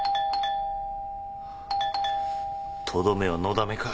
・とどめはのだめか！？